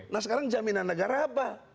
nah sekarang jaminan negara apa